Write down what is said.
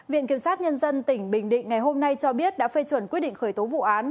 viện kiểm sát nhân dân tỉnh bình định ngày hôm nay cho biết đã phê chuẩn quyết định khởi tố vụ án